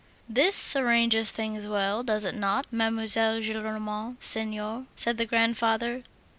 "This arranges things well, does it not, Mademoiselle Gillenormand senior?" said the grandfather.